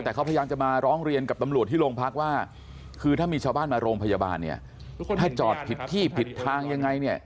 แต่เขาพยายามจะมาร้องเรียนกับตำรวจที่โรงพักว่าคือถ้ามีชาวบ้านมาโรงพยาบาลเนี่ยถ้าจอดผิดที่ผิดทางยังไงเนี่ย